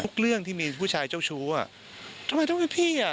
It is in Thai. เรื่องที่มีผู้ชายเจ้าชู้อ่ะทำไมต้องให้พี่อ่ะ